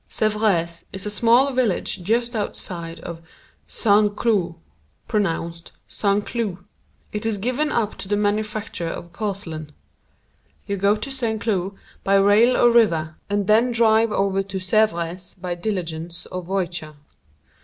Sèvres is a small village just outside of St. Cloud (pronounced San Cloo). It is given up to the manufacture of porcelain. You go to St. Cloud by rail or river, and then drive over to Sèvres by diligence or voiture.